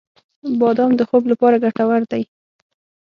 • بادام د خوب لپاره ګټور دی.